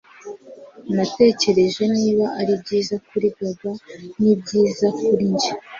natekereje niba ari byiza kuri gaga nibyiza kuri njye